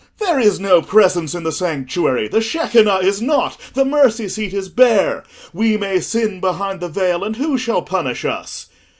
there is no Presence in the sanctuary—the Shechinah is nought—the Mercy seat is bare: we may sin behind the veil, and who shall punish us?